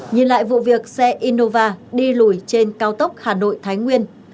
nhìn lại vụ việc xe innova đi lùi trên cao tốc hà nội thái nguyên